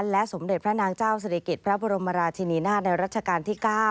และสมเด็จพระนางเจ้าศิริกิจพระบรมราชินีนาฏในรัชกาลที่๙